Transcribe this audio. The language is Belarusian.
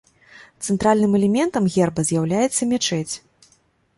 Цэнтральным элементам герба з'яўляецца мячэць.